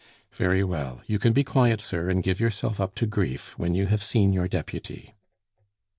"Very well. You can be quiet, sir, and give yourself up to grief, when you have seen your deputy."